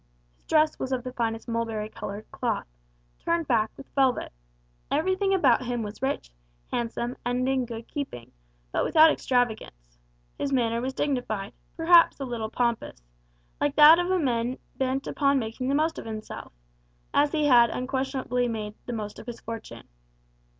His dress was of the finest mulberry coloured cloth, turned back with velvet; everything about him was rich, handsome, and in good keeping, but without extravagance. His manner was dignified, perhaps a little pompous, like that of a man bent upon making the most of himself, as he had unquestionably made the most of his fortune.